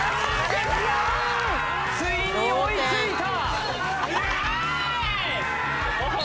ついに追いついた！